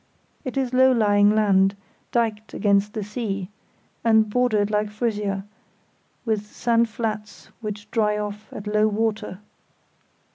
It is low lying land, dyked against the sea, and bordered like Frisia with sand flats which dry off at low water.